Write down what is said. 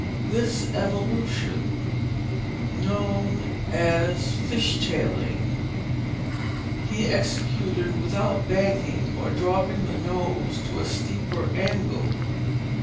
This evolution, known as fish tailing, he executed without banking or dropping the nose to a steeper angle.